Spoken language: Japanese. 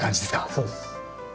そうです。